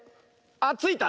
あっついた！